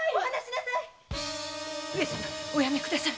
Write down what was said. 上様おやめください！